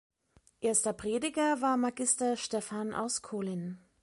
Erster Prediger war Magister Stephan aus Kolin.